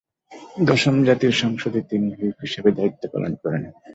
দশম জাতীয় সংসদে তিনি হুইপ হিসেবে দায়িত্ব পালন করেন।